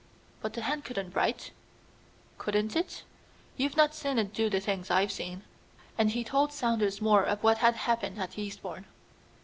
"But the hand couldn't write?" "Couldn't it? You've not seen it do the things I've seen," and he told Saunders more of what had happened at Eastbourne.